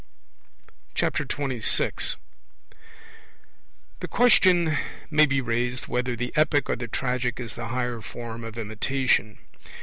26 The question may be raised whether the epic or the tragic is the higher form of imitation.